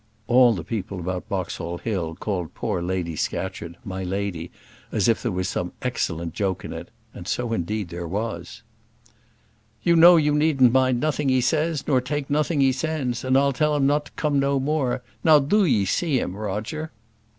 All the people about Boxall Hill called poor Lady Scatcherd "my lady" as if there was some excellent joke in it; and, so, indeed, there was. "You know you needn't mind nothing he says, nor yet take nothing he sends: and I'll tell him not to come no more. Now do 'ee see him, Roger."